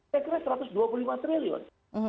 saya kira satu ratus dua puluh lima triliun